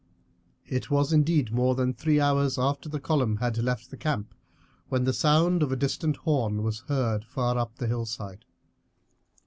It was indeed more than three hours after the column had left the camp when the sound of a distant horn was heard far up the hillside.